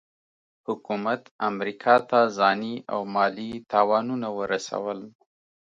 حکومت امریکا ته ځاني او مالي تاوانونه ورسول.